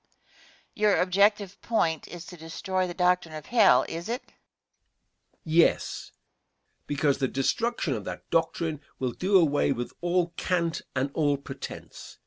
Your objective point is to destroy the doctrine of hell, is it? Answer. Yes, because the destruction of that doctrine will do away with all cant and all pretence.